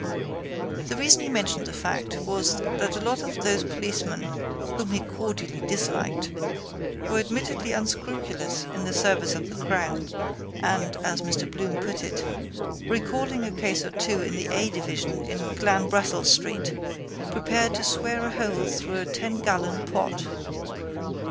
The reason he mentioned the fact was that a lot of those policemen, whom he cordially disliked, were admittedly unscrupulous in the service of the Crown and, as Mr Bloom put it, recalling a case or two in the A division in Clanbrassil street, prepared to swear a hole through a ten gallon pot.